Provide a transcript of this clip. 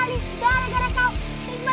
gimana seragam kita